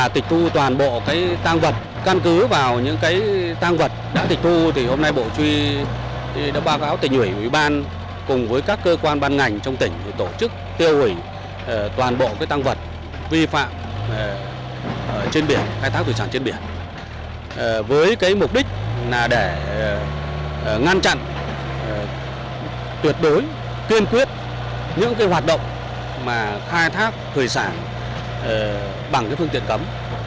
tiêu hủy toàn bộ tăng vật vi phạm khai thác thủy sản trên biển với mục đích để ngăn chặn tuyệt đối tuyên quyết những hoạt động khai thác thủy sản bằng phương tiện cấm